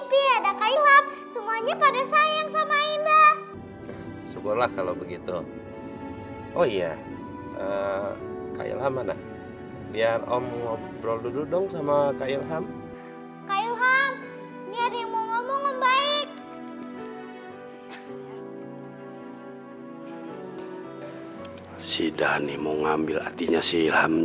pipi ada kailap semuanya pada sayang sama indah sukulah kalau begitu oh iya kaya lama